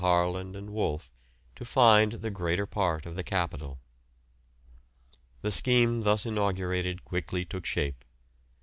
Harland and Wolff to find the greater part of the capital. The scheme thus inaugurated quickly took shape.